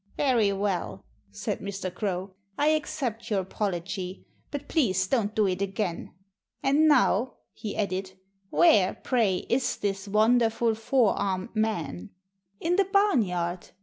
"Very well!" said Mr. Crow. "I accept your apology. But please don't do it again.... And now," he added, "where, pray, is this wonderful four armed man?" "In the barnyard!"